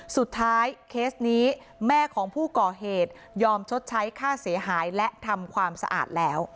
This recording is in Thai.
เคสนี้แม่ของผู้ก่อเหตุยอมชดใช้ค่าเสียหายและทำความสะอาดแล้ว